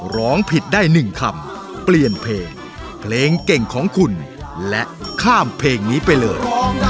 ร้องผิดได้๑คำเปลี่ยนเพลงเพลงเก่งของคุณและข้ามเพลงนี้ไปเลย